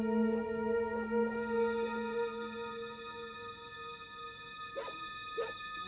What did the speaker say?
dan saya akan menemukan bung